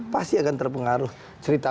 pasti akan terpengaruh cerita